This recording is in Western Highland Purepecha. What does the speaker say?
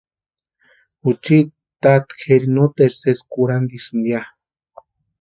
Juchiti tata kʼeri noteru sési kurhantisïnit ya.